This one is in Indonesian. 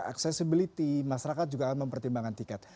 accessibility masyarakat juga akan mempertimbangkan tiket